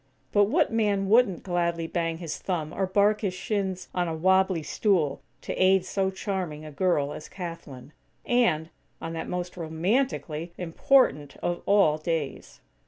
But what man wouldn't gladly bang his thumb, or bark his shins on a wobbly stool, to aid so charming a girl as Kathlyn? And, on that most romantically important of all days!!